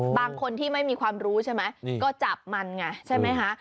บางคนที่ไม่มีความรู้ใช่ไหมก็จับมันไงใช่ไหมคะ